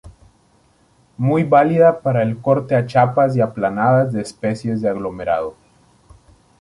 Muy válida para el corte a chapas y aplanadas de especies de aglomerado.